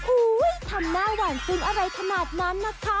ทำหน้าหวานซึ้งอะไรขนาดนั้นนะคะ